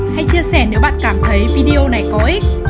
hãy chia sẻ nếu bạn cảm thấy video này có ích